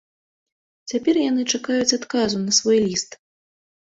Цяпер яны чакаюць адказу на свой ліст.